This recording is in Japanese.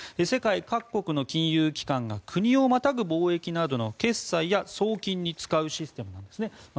世界各国の金融機関が国をまたぐ貿易などの決済や送金に使うシステムなんです。